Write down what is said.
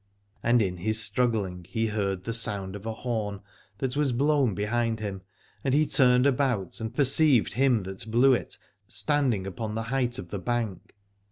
And in his struggling he heard the sound of a horn that was blown behind him, and he turned about and perceived him that blew it standing upon the height of the bank.